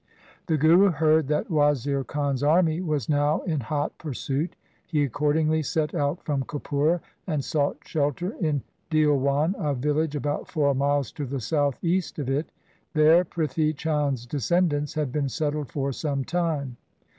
The Guru heard that Wazir Khan's army was now in hot pursuit. He accordingly set out from Kapura, and sought shelter in Dhilwan, a village about four miles to the south east of it. There Prithi Chand's descendants had been settled for some time.